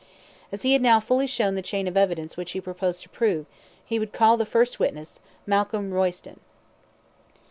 As he had now fully shown the chain of evidence which he proposed to prove, he would call the first witness, MALCOLM ROYSTON.